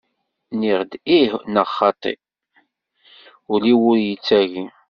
Nniɣ-d ih neɣ xaṭ, ul-iw ur yettagi.